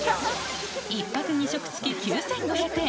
１泊２食付き９５００円。